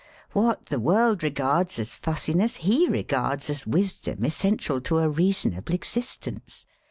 What the world regards as fussiness he regards as wisdom essential to a reasonable existence.